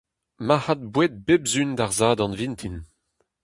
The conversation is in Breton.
Marc'had boued bep sizhun d'ar Sadorn vintin.